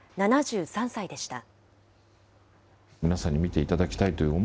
７３歳でした。